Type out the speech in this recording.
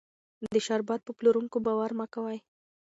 د شربت په پلورونکو باور مه کوئ.